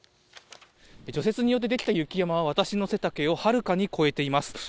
除雪によって出来た雪山は、私の背丈をはるかにこえています。